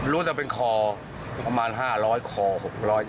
รู้แต่เป็นคอประมาณ๕๐๐คอ๖๐๐